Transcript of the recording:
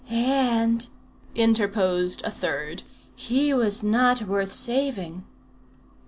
"And," interposed a third, "he was not worth saving."